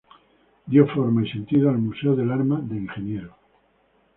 Dio forma y sentido al Museo del Arma de Ingenieros.